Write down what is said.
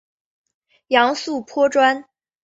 杨素颇专。